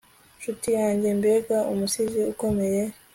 Nshuti yanjye mbega umusizi ukomeye